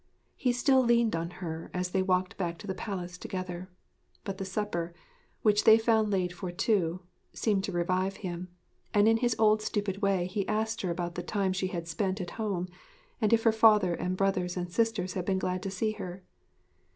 He still leaned on her, as they walked back to the palace together. But the supper which they found laid for two seemed to revive him, and in his old stupid way he asked her about the time she had spent at home, and if her father and brothers and sisters had been glad to see her.